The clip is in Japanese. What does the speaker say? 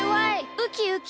ウキウキ！